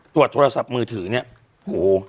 ตรวจโทรศัพท์มือถือเนี่ยโห